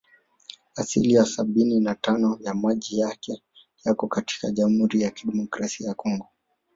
Asilia sabini na tano ya maji yake yako katika Jamhuri ya Kidemokrasia ya Kongo